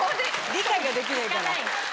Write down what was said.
理解ができないから。